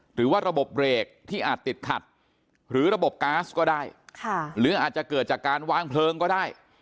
หรือว่าระบบเบรกที่อาจติดขัดหรือระบบก๊าซก็ได้หรืออาจจะเกิดจากการวางเพลิงก็ได้